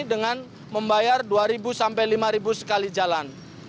dengan membayar rp dua sampai rp lima sekali jalan